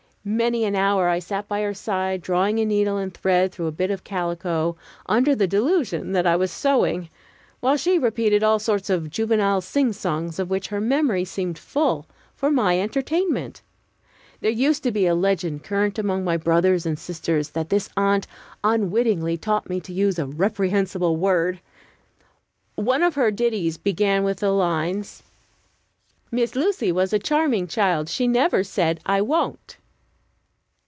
Many an hour I sat by her side drawing a needle and thread through a bit of calico, under the delusion that I was sewing, while she repeated all sorts of juvenile singsongs of which her memory seemed full, for my entertainment. There used to be a legend current among my brothers and sisters that this aunt unwittingly taught me to use a reprehensible word. One of her ditties began with the lines: "Miss Lucy was a charming child; She never said, 'I won't.'"